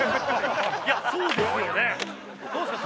いやそうですよね。